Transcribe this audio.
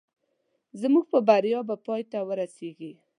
زموږ په بریا به پای ته ورسېږي